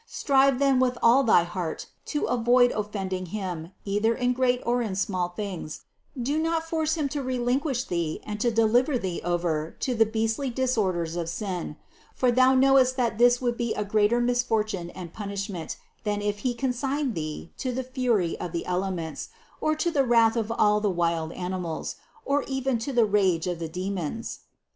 Strive then with all thy heart to avoid offending Him either in great or in small things; do not force Him to relinquish thee and to de liver thee over to the beastly disorders of sin; for thou knowest that this would be a greater misfortune and punishment than if He consign thee to the fury of the elements, or to the wrath of all the wild animals, or even to the rage of the demons.